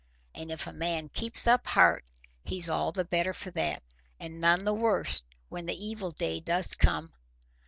And if a man keeps up heart, he's all the better for that, and none the worse when the evil day does come.